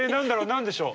何でしょう？